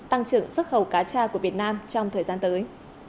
tăng trưởng xuất khẩu cá cha của việt nam trong thời gian tới